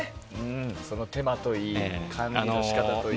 その手間といい管理の仕方といい。